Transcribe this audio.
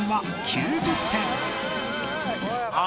９０点。